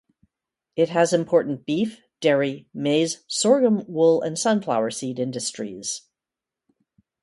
It has important beef, dairy, maize, sorghum, wool and sunflower seed industries.